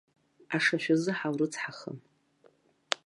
Ашашәазы ҳаурыцҳахым.